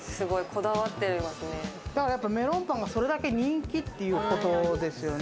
メロンパンがそれだけ人気っていうことですよね。